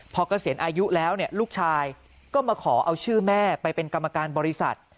พอเกษียณอายุแล้วลูกชายก็มาขอเอาชื่อแม่ไปเป็นกรรมการบริษัท